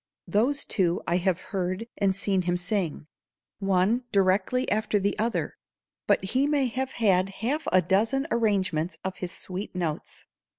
Those two I have heard and seen him sing, one directly after the other, but he may have had half a dozen arrangements of his sweet notes.